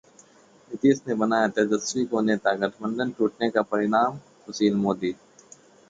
नीतीश ने बनाया तेजस्वी को नेता, गठबंधन टूटने का परिणाम: सुशील मोदी